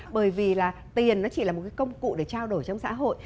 bởi vì là tiền nó chỉ là một cái công cụ để trao đổi trong xã hội